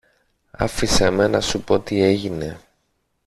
Άφησε με να σου πω τι έγινε.